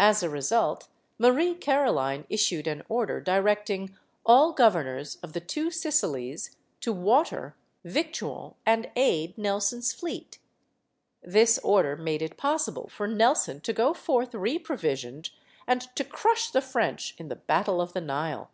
As a result Marie Caroline issued an order directing "all governors of the two Sicilies to water, victual, and aid" Nelson's fleet. This order made it possible for Nelson to go forth reprovisioned and to crush the French in the Battle of the Nile.